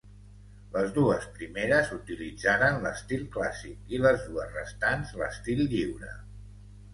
Les dues primeres utilitzaren l'estil clàssic i les dues restants l'estil lliure.